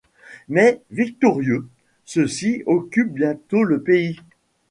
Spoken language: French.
Mais, victorieux, ceux-ci occupent bientôt le pays.